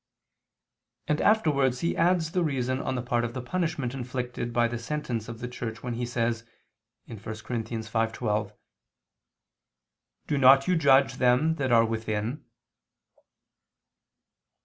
and afterwards he adds the reason on the part of the punishment inflicted by the sentence of the Church when he says (1 Cor. 5:12): "Do not you judge them that are within?"